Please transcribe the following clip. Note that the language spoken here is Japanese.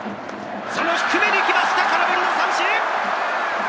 その低めにいきました空振り三振！